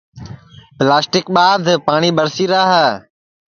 پیلاسٹیک ٻادھ پاٹؔی ٻرسی را ہے